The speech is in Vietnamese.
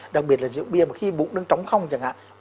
đặc biệt là rượu bia mà khi bụng đang trống không chẳng hạn